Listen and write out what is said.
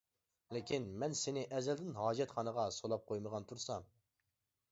-لېكىن مەن سېنى ئەزەلدىن ھاجەتخانىغا سولاپ قويمىغان تۇرسام!